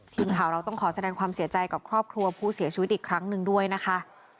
ทีมข่าวเราต้องขอแสดงความเสียใจกับครอบครัวผู้เสียชีวิตอีกครั้งหนึ่งด้วยนะคะ